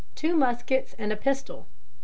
Two muskets and a pistol. 9.